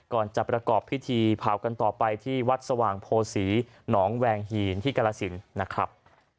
ก่อนจะประกอบพิธีเผากันต่อไปที่วัดสว่างโพศีหนองแวงฮีนที่กรสินนะครับ